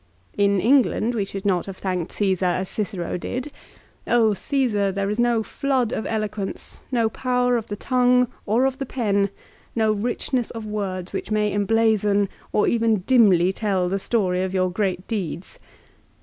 In England we should not have thanked Caesar as Cicero did. " 0, Caesar, there is no flood of eloquence, no power of the tongue or of the pen, no richness of words, which may emblazon, or even dimly tell the story of your great deeds."